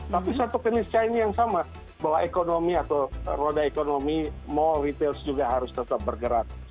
tapi satu keniscayaan yang sama bahwa ekonomi atau roda ekonomi mall retail juga harus tetap bergerak